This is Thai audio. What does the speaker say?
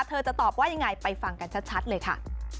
จะตอบว่ายังไงไปฟังกันชัดเลยค่ะ